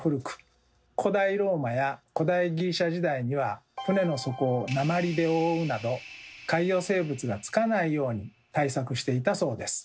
古代ローマや古代ギリシャ時代には船の底を鉛で覆うなど海洋生物が付かないように対策していたそうです。